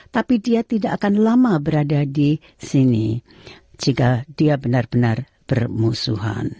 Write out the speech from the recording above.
tapi dia tidak akan lama berada di sini jika dia benar benar bermusuhan